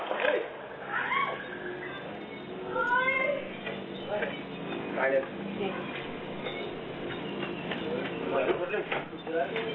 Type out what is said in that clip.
แกแกมันไง